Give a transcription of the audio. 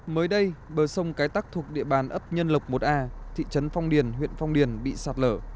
mới đây bờ sông cái tắc thuộc địa bàn ấp nhân lộc một a thị trấn phong điền huyện phong điền bị sạt lở